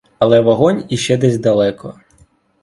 Але вогонь іще десь далеко.